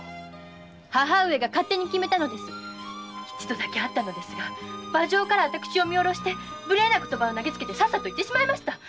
一度だけ会ったのですが馬上から私を見下ろして無礼な言葉を投げつけてさっさと行ってしまいました。